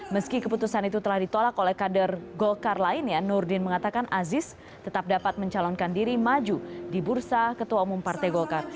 meski keputusan itu telah ditolak oleh kader golkar lainnya nurdin mengatakan aziz tetap dapat mencalonkan diri maju di bursa ketua umum partai golkar